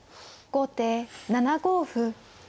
後手７五歩。